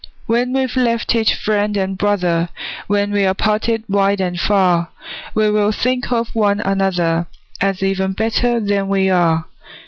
When we've left each friend and brother, When we're parted wide and far, We will think of one another, As even better than we are.